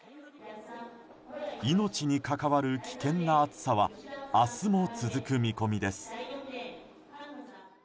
命にかかわる危険な暑さは明日も続く見込みです。